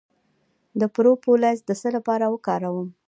د پروپولیس د څه لپاره وکاروم؟